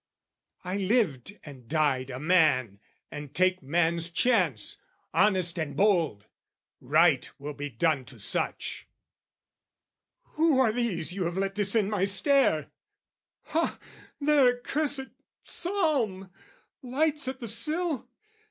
I lived and died a man, and take man's chance, Honest and bold: right will be done to such. Who are these you have let descend my stair? Ha, their accursed psalm! Lights at the sill!